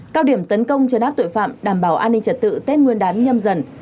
cao điểm tấn công cho nát tội phạm đảm bảo an ninh trật tự tết nguyên đán nhâm dần